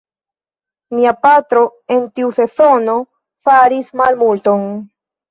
Mia patro en tiu sezono faris malmulton.